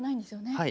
はい。